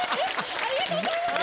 ありがとうございます。